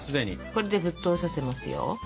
これで沸騰させますよ。